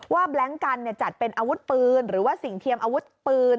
แบล็งกันจัดเป็นอาวุธปืนหรือว่าสิ่งเทียมอาวุธปืน